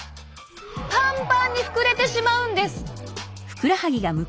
パンパンに膨れてしまうんです！